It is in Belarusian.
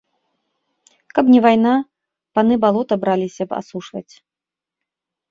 Каб не вайна, паны балота браліся б асушваць.